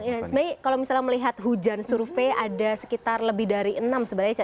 sebenarnya kalau misalnya melihat hujan survei ada sekitar lebih dari enam sebenarnya